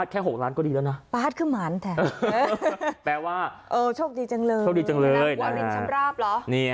แค่๖ล้านก็ดีแล้วนะแปลว่าโชคดีจังเลยวาลินชำราบหรอ